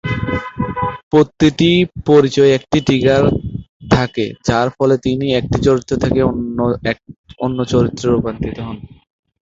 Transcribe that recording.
প্রতিটি পরিচয়ের একটি ট্রিগার থাকে যার ফলে তিনি এক চরিত্র থেকে অন্য চরিত্রে রূপান্তরিত হন।